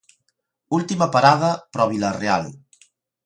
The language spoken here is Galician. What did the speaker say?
Última parada para o Vilarreal.